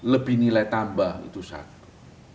lebih nilai tambah itu satu